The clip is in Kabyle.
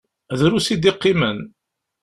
Drus i d-iqqimen.